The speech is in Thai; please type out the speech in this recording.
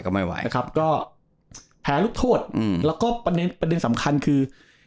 ก็ไม่ไหวนะครับก็แพ้ลูกโทษอืมแล้วก็ประเด็นประเด็นสำคัญคือ